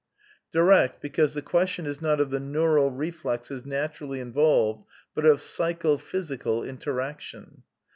(Direct, because the question is not of the neural reflexes naturally involved, but of psycho physical interaction.)